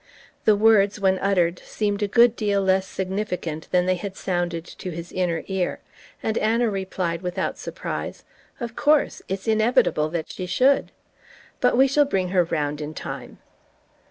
The words, when uttered, seemed a good deal less significant than they had sounded to his inner ear; and Anna replied without surprise: "Of course. It's inevitable that she should. But we shall bring her round in time."